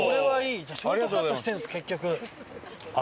ショートカットしてるんです結局。